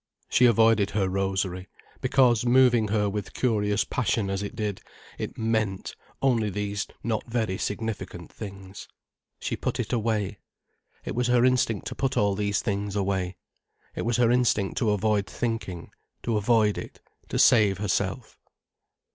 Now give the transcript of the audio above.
She avoided her rosary, because, moving her with curious passion as it did, it meant only these not very significant things. She put it away. It was her instinct to put all these things away. It was her instinct to avoid thinking, to avoid it, to save herself.